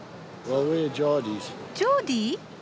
ジョーディー？